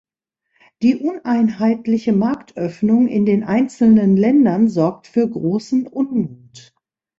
Die uneinheitliche Marktöffnung in den einzelnen Ländern sorgt für großen Unmut.